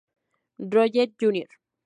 Roger Jr.